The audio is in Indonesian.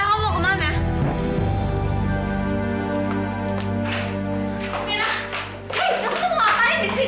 hey kamu mau ngapain di sini